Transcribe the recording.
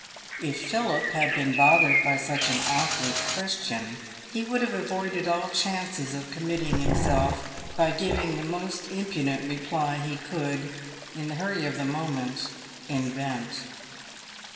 If Philip had been bothered by such an awkward question he would have avoided all chances of committing himself by giving the most impudent reply he could, in the hurry of the moment, invent.